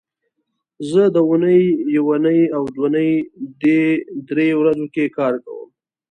زه د اونۍ یونۍ او دونۍ دې درې ورځو کې کار کوم